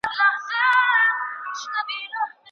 څنګه کېدای سي چي د باطل مخه په بشپړ ډول ونيول سي؟